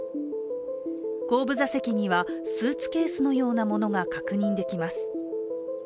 後部座席にはスーツケースのようなものが確認できます。